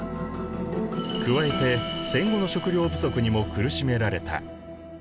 加えて戦後の食料不足にも苦しめられた。